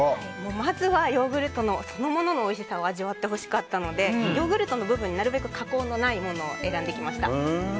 まずはヨーグルトのそのもののおいしさを味わってほしかったのでヨーグルトの部分になるべく加工のないものを選んできました。